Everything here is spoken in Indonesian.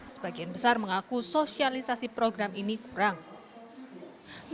sebagian besar mengaku sosialisasi program ini kurang